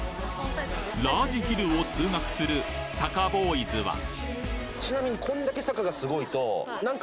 ラージヒルを通学する坂ボーイズはちなみに。